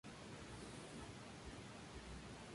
Se casó con Guillermina, la hija de Ricardo Orsini.